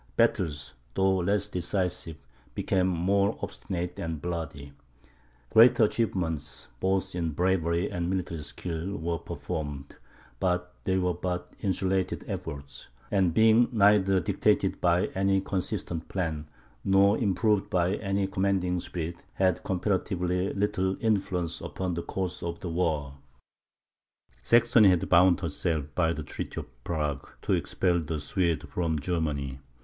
Battles, though less decisive, became more obstinate and bloody; greater achievements, both in bravery and military skill, were performed; but they were but insulated efforts; and being neither dictated by any consistent plan, nor improved by any commanding spirit, had comparatively little influence upon the course of the war. Saxony had bound herself, by the treaty of Prague, to expel the Swedes from Germany.